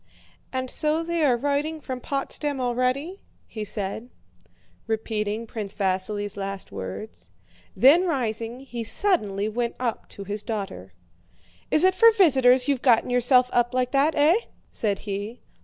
"And so they are writing from Potsdam already?" he said, repeating Prince Vasíli's last words. Then rising, he suddenly went up to his daughter. "Is it for visitors you've got yourself up like that, eh?" said he.